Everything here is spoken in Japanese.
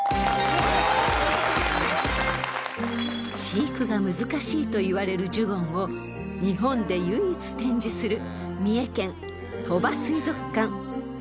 ［飼育が難しいといわれるジュゴンを日本で唯一展示する］